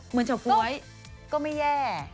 เหมือนเฉาก๊วยก็ไม่แย่